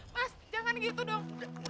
mas jangan gitu dong